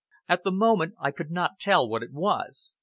At the moment, I could not tell what it was.